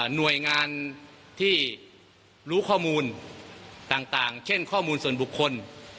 หน่วยงานที่รู้ข้อมูลต่างเช่นข้อมูลส่วนบุคคล